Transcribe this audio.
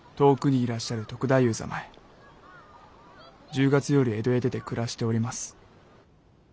１０月より江戸へ出て暮らしております。